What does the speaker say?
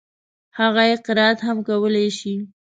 هغه يې قرائت هم کولای شي.